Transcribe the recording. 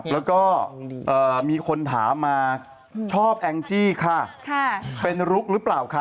แล้วก็มีคนถามมาชอบแองจี้ค่ะเป็นลุกหรือเปล่าคะ